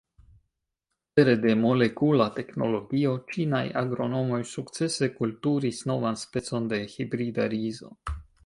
Pere de molekula teknologio ĉinaj agronomoj sukcese kulturis novan specon de hibrida rizo.